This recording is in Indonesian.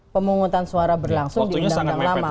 pemungutan suara berlangsung di undang undang lama